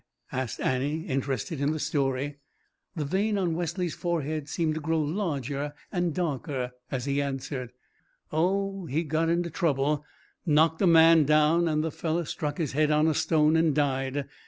asked Annie, interested in the story. The vein on Wesley's forehead seemed to grow larger and darker as he answered: "Oh, he got into trouble knocked a man down, and the fellow struck his head on a stone and died.